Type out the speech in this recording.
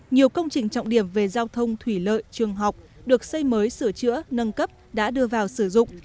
nhiều công trình trọng điểm về giao thông thủy lợi trường học được xây mới sửa chữa nâng cấp đã đưa vào sử dụng